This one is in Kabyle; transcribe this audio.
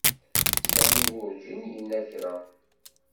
Sami werǧin yenna kra.